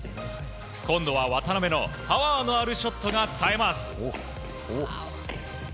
今度は渡辺のパワーのあるショットがさえます。